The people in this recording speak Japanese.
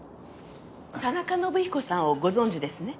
田中伸彦さんをご存じですね？